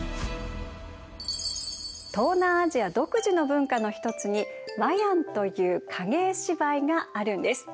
東南アジア独自の文化の一つにワヤンという影絵芝居があるんです。